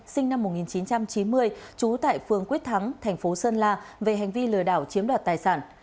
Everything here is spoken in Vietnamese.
sinh năm một nghìn chín trăm chín mươi trú tại phương quyết thắng thành phố sơn la về hành vi lừa đảo chiếm đoạt tài sản